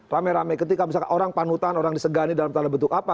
rame rame ketika misalkan orang panutan orang disegani dalam tanda bentuk apa